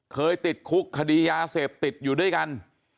เคยติดคุกคดียาเสพติดอยู่ด้วยกัน